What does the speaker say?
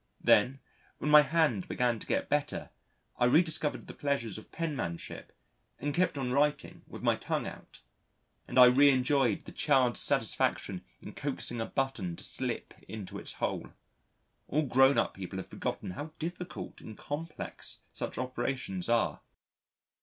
Then, when my hand began to get better, I rediscovered the pleasures of penmanship and kept on writing, with my tongue out. And I re enjoyed the child's satisfaction in coaxing a button to slip into its hole: all grown up people have forgotten how difficult and complex such operations are.